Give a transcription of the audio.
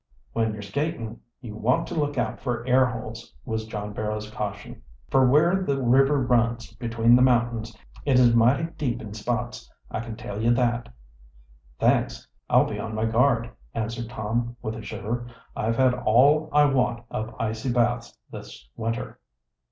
"When you're skating, you want to look out for air holes," was John Barrow's caution. "Fer where the river runs between the mountains it is mighty deep in spots, I can tell you that!" "Thanks, I'll be on my guard," answered Tom, with a shiver. "I've had all I want of icy baths this winter."